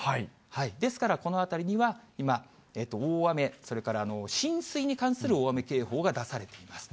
ですから、この辺りには今、大雨、それから浸水に関する大雨警報が出されています。